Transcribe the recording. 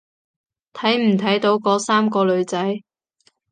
睇唔睇到嗰三個女仔？